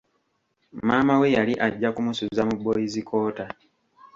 Maama we yali ajja kumusuza mu booyizikoota.